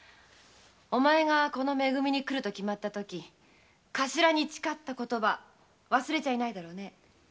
お前がこのめ組に来ると決まったときカシラに誓った言葉忘れちゃいないだろうね。